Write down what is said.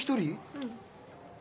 うん。